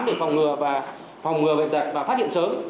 để phòng ngừa và phát hiện sớm